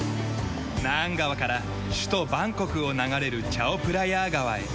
ナーン川から首都バンコクを流れるチャオプラヤー川へ。